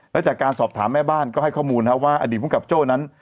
และจากการสอบถามแม่บ้านก็ให้ข้อมูลว่าอดีตภูมิกับโจ้นั้น